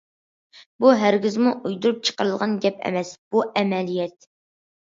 بۇ ھەرگىزمۇ ئويدۇرۇپ چىقىرىلغان گەپ ئەمەس، بۇ ئەمەلىيەت.